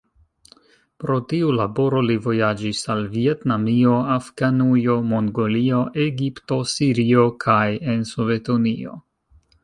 Pro tiu laboro li vojaĝis al Vjetnamio, Afganujo, Mongolio, Egipto, Sirio kaj en Sovetunio.